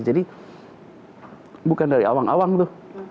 jadi bukan dari awang awang itu